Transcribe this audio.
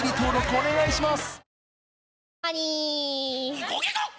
お願いします